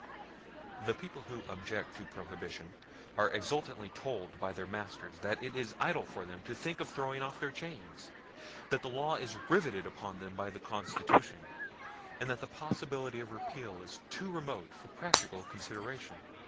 The people who object to Prohibition are exultantly told by their masters that it is idle for them to think of throwing off their chains; that the law is riveted upon them by the Constitution, and the possibility of repeal is too remote for practical consideration.